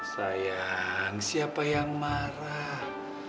sayang siapa yang marah